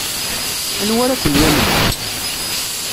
Anwa ara ken-yamnen?